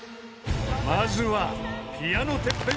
［まずは］